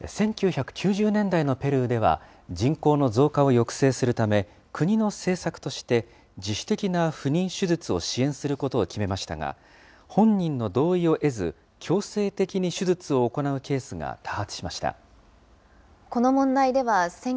１９９０年代のペルーでは人口の増加を抑制するため、国の政策として、自主的な不妊手術を支援することを決めましたが、本人の同意を得ず、強制的に手術を行うケースが多発しました。